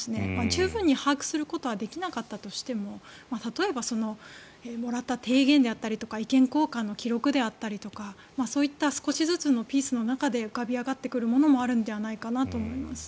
十分に把握することはできなかったとしても例えばもらった提言であったりとか意見交換の記録であったりとかそういった少しずつのピースの中で浮かび上がってくるものもあるのではないかなと思います。